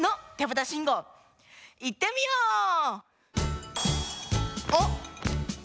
信号いってみよう！